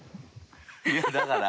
いやだから。